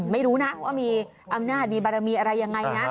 ไม่รู้นะว่ามีอำนาจมีบารมีอะไรยังไงนะ